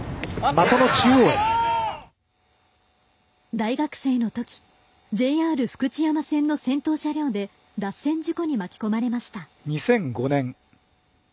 大学生のときＪＲ福知山線の先頭車両で脱線事故に巻き込まれました。